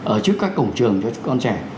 ở trước các cổng trường cho con trẻ